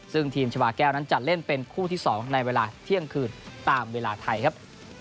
ซึ่งทีมชาวาแก้วนั้นจะเล่นเป็นคู่ที่๒ในเวลาเที่ยงคืนตามเวลาไทยครับ